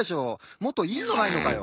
もっといいのないのかよ？